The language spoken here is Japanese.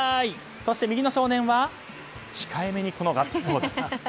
そして右の少年は控えめにガッツポーズ。